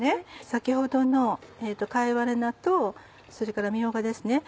先ほどの貝割れ菜とそれからみょうがです。